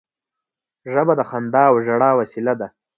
ژبه د خندا او ژړا وسیله ده